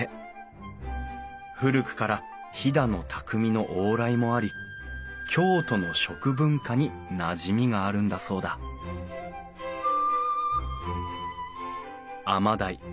古くから飛騨の匠の往来もあり京都の食文化になじみがあるんだそうだアマダイ。